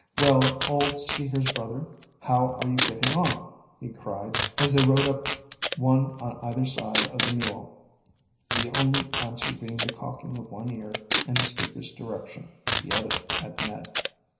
Well, old Skeeter's brother, how are you getting on?" he cried, as they rode up one on either side of the mule, the only answer being the cocking of one ear in the speaker's direction, the other at Ned.